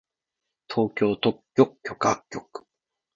東京特許許可局